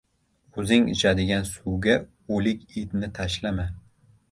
• O‘zing ichadigan suvga o‘lik itni tashlama.